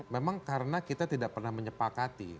memang karena kita tidak pernah menyepakati